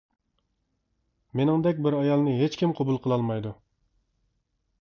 -مېنىڭدەك بىر ئايالنى ھېچكىم قوبۇل قىلالمايدۇ.